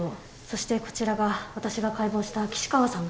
そしてこちらが私が解剖した岸川さんの心臓です。